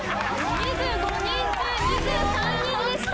２５人中２３人でした！